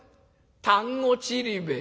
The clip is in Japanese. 丹後ちりめん。